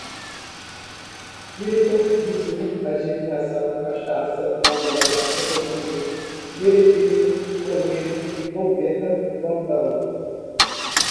birita, bizú, adivinhão, cachaça, malandragem, boca de sirí, meretrício, boieiro, bombeta, bondão